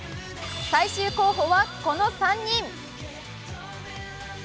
最終候補はこの３人。